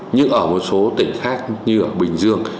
nhưng ở một số tỉnh khác như ở bình dương